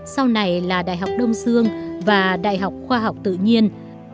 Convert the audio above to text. sau này là đại học đông dương và đại học khoa học tự nhiên